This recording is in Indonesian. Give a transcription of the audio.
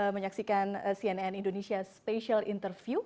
menyaksikan cnn indonesia special interview